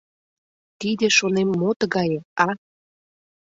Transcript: «Тиде, шонем, мо тыгае, а?